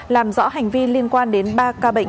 làm rõ hành vi liên quan đến ba ca bệnh